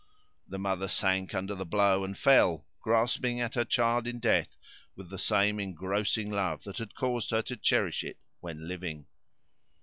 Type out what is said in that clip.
The mother sank under the blow, and fell, grasping at her child, in death, with the same engrossing love that had caused her to cherish it when living.